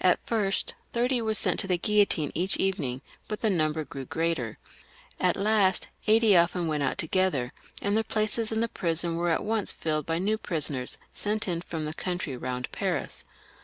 At first thirty were sent to the guillotine each evening, but the number grew greater. At last eighty often went out together, and their places in ^ba prison were at once filled by new prisoners sent in from the country round Paris.